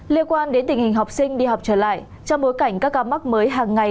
liên quan đến tình hình học sinh đi học trở lại trong bối cảnh các ca mắc mới hàng ngày